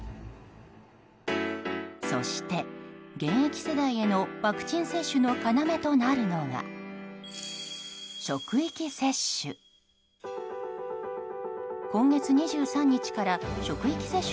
そして、現役世代へのワクチン接種の要となるのが職域接種。